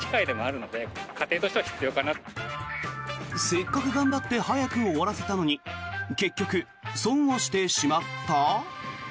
せっかく頑張って早く終わらせたのに結局、損をしてしまった？